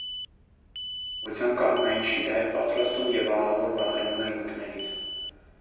Նա առավոտյան կաթնային շիլա էր պատրաստում և ահավոր վախենում էր մկներից։